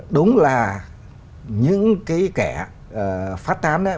đúng là những cái kẻ phát tán đấy